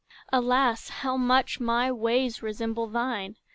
Alas, how much my ways Resemble thine!